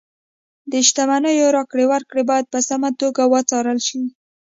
د شتمنیو راکړې ورکړې باید په سمه توګه وڅارل شي.